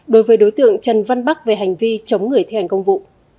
đối với đối tượng trần văn bắc về hành vi chống người thi hành công vụ